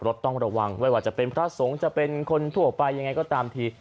ต้องระวังไม่ว่าจะเป็นพระสงฆ์จะเป็นคนทั่วไปยังไงก็ตามที